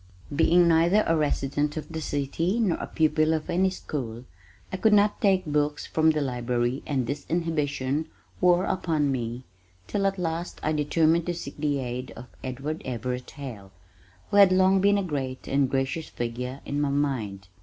Being neither a resident of the city nor a pupil of any school I could not take books from the library and this inhibition wore upon me till at last I determined to seek the aid of Edward Everett Hale who had long been a great and gracious figure in my mind.